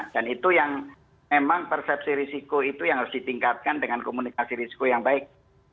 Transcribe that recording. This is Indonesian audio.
dan itu yang memang persepsi risiko itu yang harus ditingkatkan dengan komunikasi risiko yang baik